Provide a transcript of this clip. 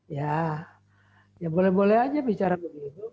ya ya boleh boleh aja bicara begitu